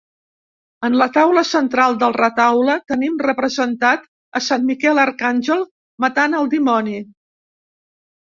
En la taula central del retaule tenim representat a Sant Miquel Arcàngel matant al dimoni.